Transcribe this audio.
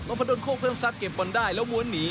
ลงพันธุ์โค้งเพิ่มซัดเก็บปอนด์ได้แล้วมวลหนี